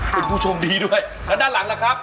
คุณผู้ชมดีด้วยแล้วด้านหลังล่ะครับ